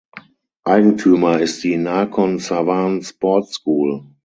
Eigentümer ist die "Nakhon Sawan Sport School".